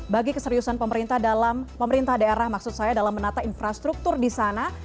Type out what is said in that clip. bagi keseriusan pemerintah dalam pemerintah daerah maksud saya dalam menata infrastruktur di sana